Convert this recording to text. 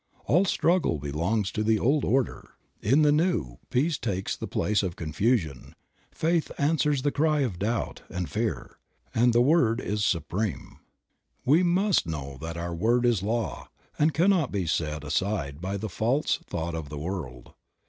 All struggle belongs to the Old Order ; in the New peace takes 'Creative Mind. 37 the place of confusion, faith answers the cry of doubt and fear, and the Word is supreme. We must know that our word is law, and cannot be set aside by the false thought of the world.